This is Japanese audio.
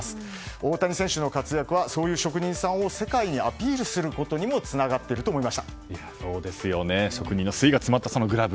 大谷選手の活躍はそういう職人さんを世界にアピールすることにも職人の誠意が詰まったこのグラブ。